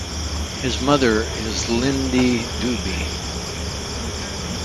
His mother is Lindi Dube.